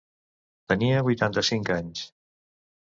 Tenia vuitanta-cinc anys.